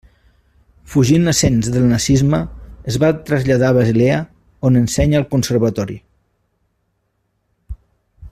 Fugint l'ascens del nazisme, es va traslladar a Basilea, on ensenya al conservatori.